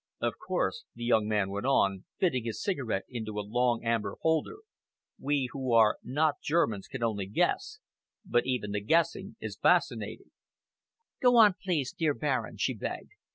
Of course," the young man went on, fitting his cigarette into a long, amber holder, "we who are not Germans can only guess, but even the guessing is fascinating." "Go on, please, dear Baron," she begged.